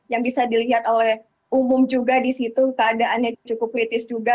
yang bisa dilihat oleh umum juga di situ keadaannya cukup kritis juga